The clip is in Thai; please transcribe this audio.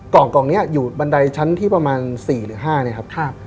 กล่องนี้อยู่บันไดชั้นที่ประมาณ๔หรือ๕เนี่ยครับ